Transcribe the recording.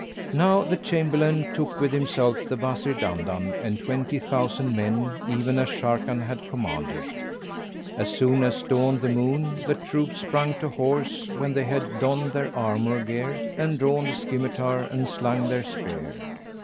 Now the Chamberlain took with himself the Wazir Dandan and twenty thousand men even as Sharrkan had commanded. As soon as dawned the morn, the troops sprung to horse when they had donned their armour gear and drawn the scymitar and slung the spear.